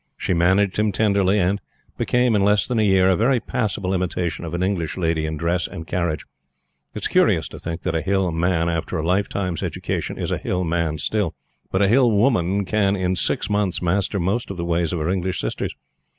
She managed him tenderly, and became, in less than a year, a very passable imitation of an English lady in dress and carriage. [It is curious to think that a Hill man, after a lifetime's education, is a Hill man still; but a Hill woman can in six months master most of the ways of her English sisters.